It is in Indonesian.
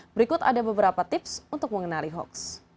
berikut ada beberapa tips untuk mengenali hoax